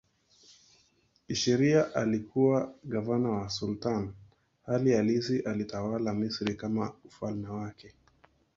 Kisheria alikuwa gavana wa sultani, hali halisi alitawala Misri kama ufalme wake.